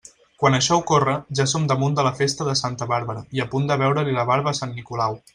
Quan això ocorre, ja som damunt de la festa de Santa Bàrbara i a punt de veure-li la barba a sant Nicolau.